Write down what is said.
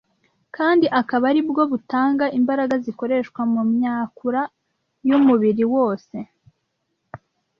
kandi akaba ari bwo butanga imbaraga zikoreshwa mu myakura y’umubiri wose,